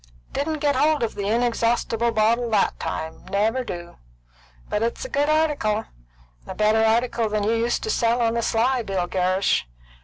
"Didn't get hold of the inexhaustible bottle that time; never do. But it's a good article; a better article than you used to sell on the sly, Bill Gerrish.